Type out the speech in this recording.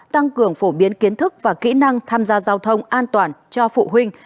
tăng cường phổ biến kiến thức và kỹ năng tham gia giao thông an toàn cho phụ huynh